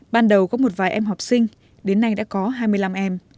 ban đầu có một vài em học sinh đến nay đã có hai mươi năm em